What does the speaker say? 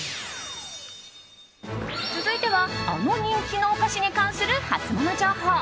続いてはあの人気のお菓子に関するハツモノ情報。